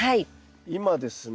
今ですね